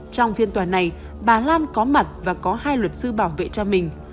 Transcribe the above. trong phiên tòa này bà lan có mặt và có hai luật sư bảo vệ cho mình